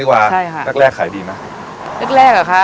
มีวันหยุดเอ่ออาทิตย์ที่สองของเดือนค่ะ